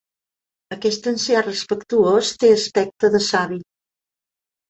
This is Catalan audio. Aquest ancià respectuós té aspecte de savi.